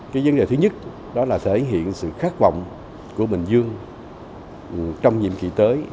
cái vấn đề thứ nhất đó là thể hiện sự khát vọng của bình dương trong nhiệm kỳ tới